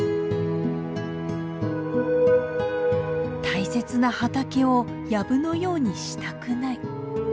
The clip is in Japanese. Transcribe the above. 大切な畑を藪のようにしたくない。